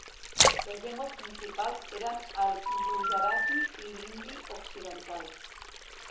Les llengües principals eren el gujarati i l'hindi occidental.